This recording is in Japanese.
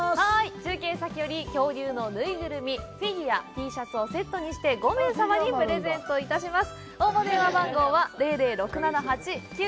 中継先より恐竜のぬいぐるみフィギュア、Ｔシャツをセットにして５名様にプレゼントいたします。